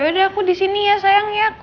ya udah aku disini ya sayang ya